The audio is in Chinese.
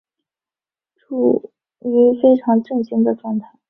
处於非常震惊的状态